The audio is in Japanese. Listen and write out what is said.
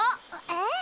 えっ？